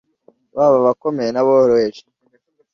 baba abakomeye n’aboroheje